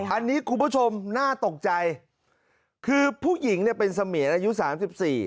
อันนี้คุณผู้ชมน่าตกใจคือผู้หญิงเนี่ยเป็นเสมียนอายุสามสิบสี่